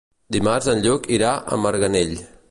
Dimarts en Lluc irà a Marganell.